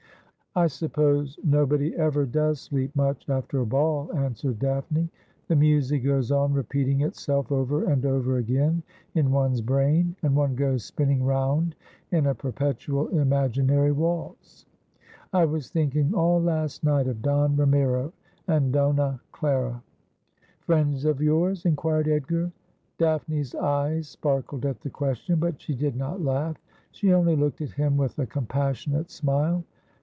' I suppose nobody ever does sleep much after a ball,' an swered Daphne. ' The music goes on repeating itself over and over again in one's brain, and one goes spinning round in a per petual imaginary waltz. I was thinking all last night of Don Ramiro and Donna Clara. ^ For Wele or Wo, for Carole, or for Daunce.' 233 'Friends of yours ?' inquired Edgar. Daphne's eyes sparkled at the question, but she did not laugh. She only looked at him with a compassionate smile.